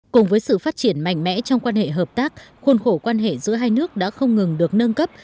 cùng với sự phát triển mạnh mẽ trong quan hệ hợp tác khuôn khổ quan hệ giữa hai nước đã không ngừng được nâng cấp